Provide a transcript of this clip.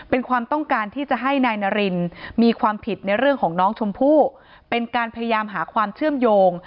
เป็นความต้องการที่จะให้นายนารินมีความผิดในเรื่องของน้องชมพู่เป็นการพยายามหาความเชื่อมโยง